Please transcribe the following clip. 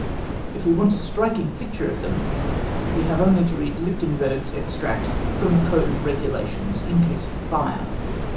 If we want a striking picture of them we have only to read Lichtenberg's extract from a code of regulations in case of fire.